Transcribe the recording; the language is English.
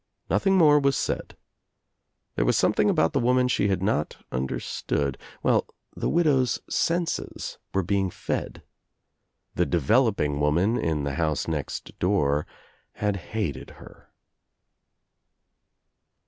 Nothing more was said. There was something about the woman she had not understood — well the widow's senses were being fed. The developing woman in the house next door had hated her.